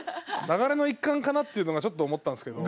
流れの一環かなっていうのがちょっと思ったんですけど。